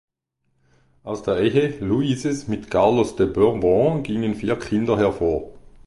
Aus der Ehe Louises mit Carlos de Bourbon gingen vier Kinder hervor.